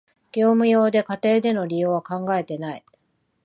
業務用で、家庭での利用は考えてない